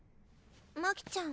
真姫ちゃん